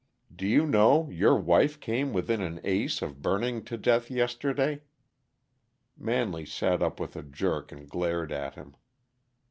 "Do you know your wife came within an ace of burning to death yesterday?" Manley sat up with a jerk and glared at him.